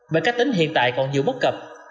và các tính hiện tại còn nhiều bất cập